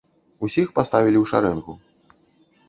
Усіх паставілі ў шарэнгу.